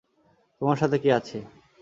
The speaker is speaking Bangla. তোমার সাথে কে আছে?